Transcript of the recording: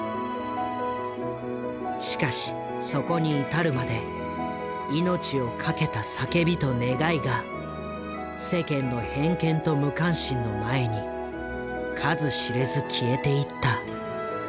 しかしそこに至るまで命をかけた叫びと願いが世間の偏見と無関心の前に数知れず消えていった。